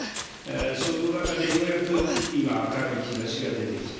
その中で、ようやく今、明るい兆しが出てきた。